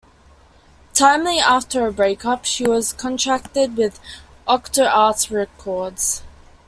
Timely after her break-up, she was contracted with OctoArts Records.